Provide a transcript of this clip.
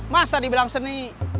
masa dibilang seni